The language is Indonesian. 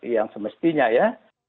yang semestinya ya